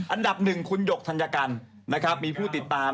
อันดับหนึ่งคุณหยกธัญกัณฑ์มีผู้ติดตาม๔๙๕๔๐